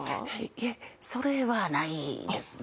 いえそれはないですね。